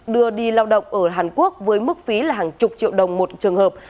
đưa đi lao động ở hàn quốc với mức phí là hàng chục triệu đồng một trường hợp